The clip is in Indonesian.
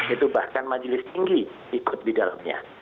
itu bahkan majelis tinggi ikut di dalamnya